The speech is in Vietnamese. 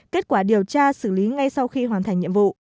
kết quả điều tra xử lý ngay sau khi hoàn thành